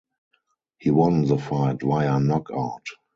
He won the fight via knockout.